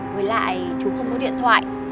với lại chú không có điện thoại